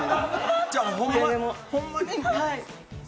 ホンマに。